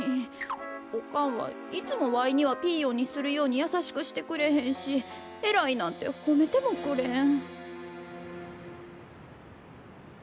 おかんはいつもわいにはピーヨンにするようにやさしくしてくれへんし「えらい」なんてほめてもくれん。